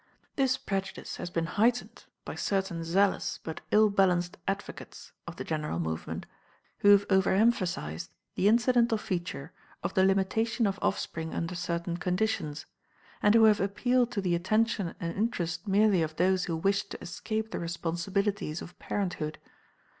This prejudice has been heightened by certain zealous but ill balanced advocates of the general movement who have overemphasized the incidental feature of the limitation of offspring under certain conditions, and who have appealed to the attention and interest merely of those who wished to escape the responsibilities of parenthood.